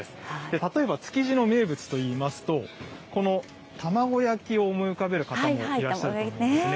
例えば築地の名物といいますと、この玉子焼を思い浮かべる方もいらっしゃると思うんですね。